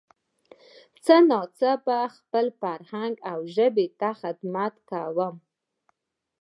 څه نا څه خپل فرهنګ او ژبې ته خدمت کومه